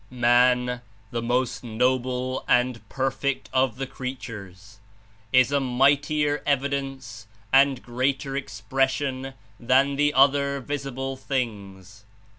"Man, the most noble and perfect of the creatures, is a mightier evidence and greater expression than the other visible things.